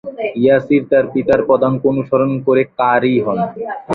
ইয়াসির তার পিতার পদাঙ্ক অনুসরণ করে, ক্বারী হন।